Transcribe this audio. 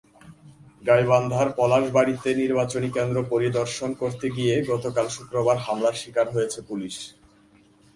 গাইবান্ধার পলাশবাড়ীতে নির্বাচনী কেন্দ্র পরিদর্শন করতে গিয়ে গতকাল শুক্রবার হামলার শিকার হয়েছে পুলিশ।